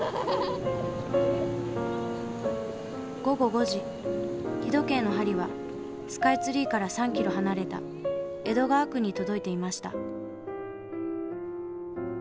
午後５時日時計の針はスカイツリーから３ｋｍ離れた江戸川区に届いていました。